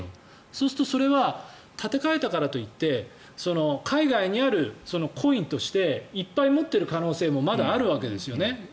そうするとそれは立て替えたからといって海外にあるコインとしていっぱい持っている可能性もまだあるわけですよね。